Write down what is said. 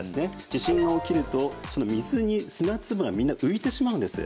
地震が起きると水に砂粒がみんな浮いてしまうんです。